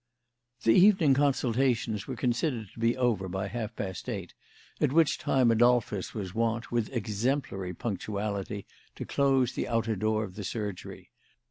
The evening consultations were considered to be over by half past eight; at which time Adolphus was wont, with exemplary punctuality, to close the outer door of the surgery.